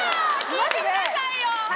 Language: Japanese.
聞いてくださいよ！